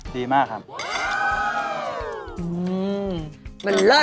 ดีมากครับว้าวอุ้มมันเลิศ